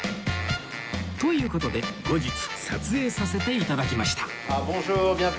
という事で後日撮影させて頂きました